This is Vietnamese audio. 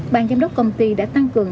ban giám đốc công ty đã tăng cường